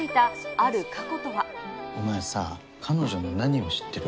ある過去とお前さ、彼女の何を知ってる？